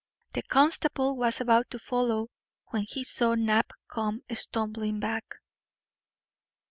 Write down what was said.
The constable was about to follow when he saw Knapp come stumbling back.